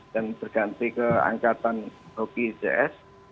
dan berganti ke angkatan hoki ics